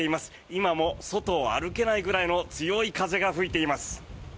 今も外を歩けないくらいの強い風が吹いています。